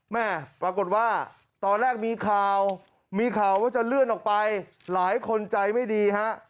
แม่ปรากฏว่าตอนแรกมีข่าวมีข่าวว่าจะเลื่อนออกไปหลายคนใจไม่ดีฮะ